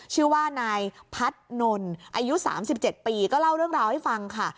ชื่อว่านายพัฒนนอายุ๓๗ปีก็เล่าเรื่องราวให้ฟังค่ะ